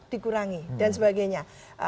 dikurangi dan sebagainya